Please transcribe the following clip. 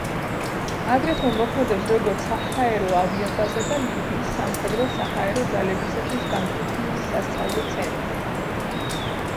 აგრეთვე მოქმედებს როგორც საჰაერო ავიაბაზა და ლიბიის სამხედრო-საჰაერო ძალებისათვის განკუთვნილი სასწავლო ცენტრი.